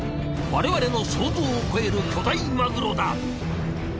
我々の想像を超える巨大マグロだ。